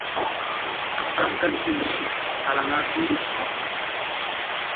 Aŋ ka sil suu halaŋŋa kiɗi.